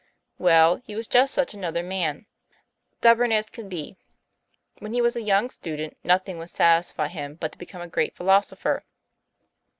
'Well, he was just such another man stubborn as could be. When he was a young student nothing would satisfy him but to become a great philosopher.